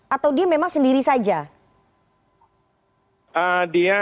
atau dia memang sendiri saja